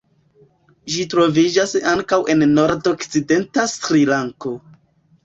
Ĝi troviĝas ankaŭ en nordokcidenta Sri-Lanko.